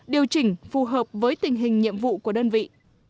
điều chỉnh phù hợp với tình hình nhiệm vụ của đơn vị